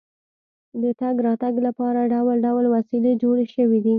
د تګ راتګ لپاره ډول ډول وسیلې جوړې شوې دي.